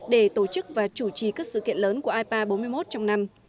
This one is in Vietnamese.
để tổ chức và chủ trì các sự kiện lớn của ipa bốn mươi một trong năm